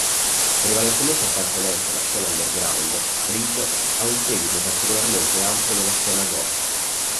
Prevalentemente appartenente alla scena underground, RiB ha un seguito particolarmente ampio nella scena goth.